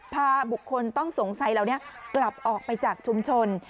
พาบุคคลต้องสงสัยเหล่านี้กลับออกไปจากชุมชน